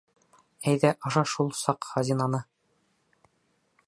Әйҙә аша шул саҡ хазинаны!